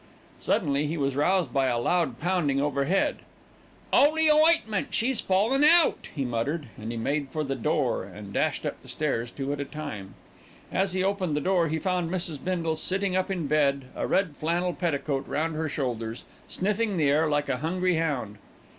Suddenly he was roused by a loud pounding overhead. "'Oly ointment, she's fallen out!" he muttered, as he made for the door and dashed up the stairs two at a time. As he opened the door, he found Mrs. Bindle sitting up in bed, a red flannel petticoat round her shoulders, sniffing the air like a hungry hound.